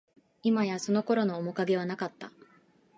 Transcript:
いまや、その頃の面影はなかった